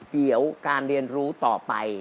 เดี๋ยวการเรียนรู้ต่อไป